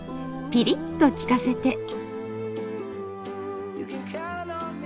ピリッと利かせて。